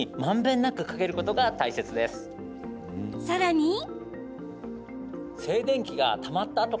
さらに。